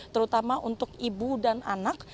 terutama untuk ibu dan anak